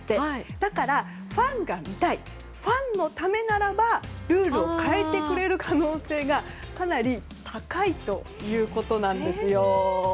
だから、ファンが見たいファンのためならばルールを変えてくれる可能性がかなり高いということなんです。